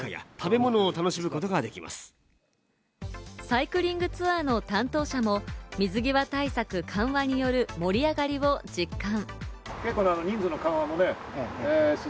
サイクリングツアーの担当者も水際対策緩和による盛り上がりを実感。